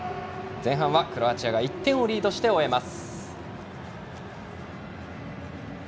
前半はクロアチアが１点をリードして終えます。